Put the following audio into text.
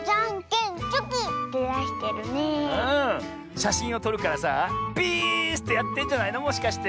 しゃしんをとるからさピース！ってやってんじゃないのもしかして。